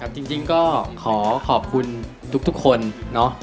จริงก็ขอขอบคุณทุกคน